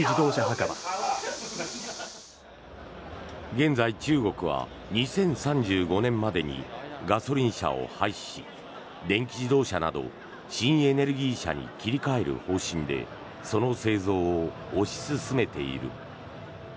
現在、中国は２０３５年までにガソリン車を廃止し電気自動車など新エネルギー車に切り替える方針でその製造を推し進めている。